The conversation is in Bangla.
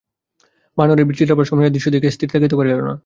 বনোয়ারির চিরাভ্যাসক্রমে এ দৃশ্য দেখিয়া সে আর স্থির থাকিতে পারিল না।